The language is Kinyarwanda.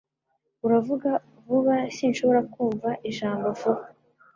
Uravuga vuba sinshobora kumva ijambo uvuga.